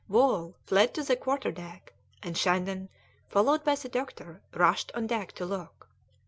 Wall fled to the quarter deck, and Shandon, followed by the doctor, rushed on deck to look.